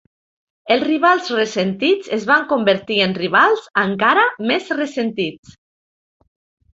Els rivals ressentits es van convertir en rivals encara més ressentits.